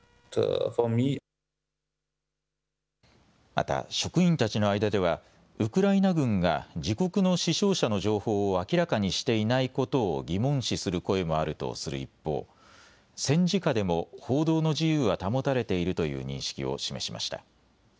また職員たちの間ではウクライナ軍が自国の死傷者の情報を明らかにしていないことを疑問視する声もあるとする一方、戦時下でも報道の自由は保たれているという認識を示しました。